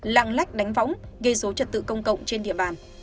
lặng lách đánh võng gây dấu trật tự công cộng trên địa bàn